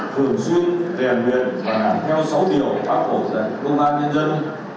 thường xuyên đề nguyện và theo sáu điều áp hộ công an nhân dân